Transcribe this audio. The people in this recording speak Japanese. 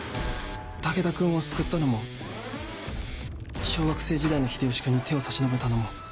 武田君を救ったのも小学生時代の秀吉君に手を差し伸べたのも。